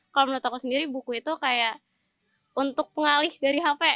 kalau menurut aku sendiri buku itu kayak untuk pengalih dari hp